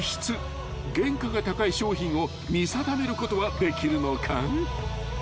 ［原価が高い商品を見定めることはできるのか］